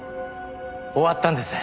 終わったんです。